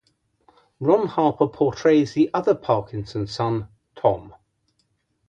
Ron Harper portrays the other Parkison son, Tom.